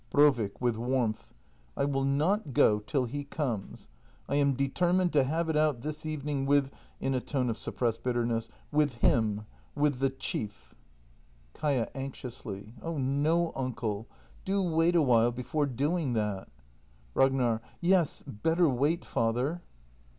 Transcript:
Brovik. [With warmth.] I will not go till he comes! I am determined to have it out this evening with — [in a tone of suppressed bitterness] — with him — with the chief. act i] THE MASTER BUILDER 247 Kaia. [Anxiously.] Oh no, uncle, — do wait awhile before doing that! Ragnar. Yes, better wait, father!